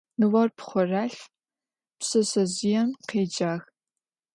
Nıor pxhorelhf pşseşsezjıêm khêcağ.